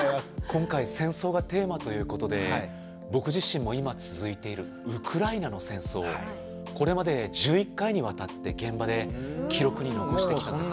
今回戦争がテーマということで僕自身も今続いているウクライナの戦争をこれまで１１回にわたって現場で記録に残してきたんです。